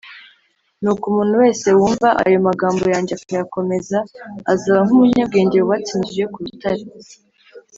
“nuko umuntu wese wumva ayo magambo yanjye akayakomeza, azaba nk’umunyabwenge wubatse inzu ye ku rutare,